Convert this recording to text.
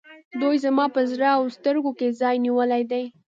دوی زما په زړه او سترګو کې ځای نیولی دی.